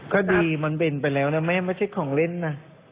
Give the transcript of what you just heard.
ก็ดีมันเป็นไปแล้วนะแม่ไม่ใช่ของเล่นนะ